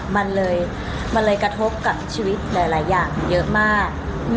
มันเลยมันเลยกระทบกับชีวิตหลายอย่างเยอะมาก